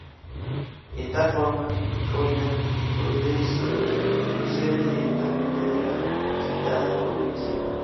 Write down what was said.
En tal forma, Nicoya procede directamente de la citada provincia.